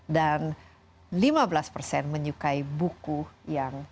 dan lima belas persen menyukai buku yang